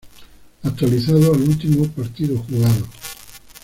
Actualizado al último partido jugado.